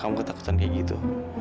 kamu ketakutan kayak gitu